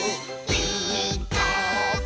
「ピーカーブ！」